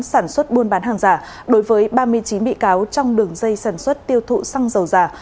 sản xuất buôn bán hàng giả đối với ba mươi chín bị cáo trong đường dây sản xuất tiêu thụ xăng dầu giả